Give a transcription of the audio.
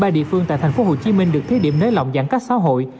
ba địa phương tại thành phố hồ chí minh được thiết điểm nới lỏng giãn cách xã hội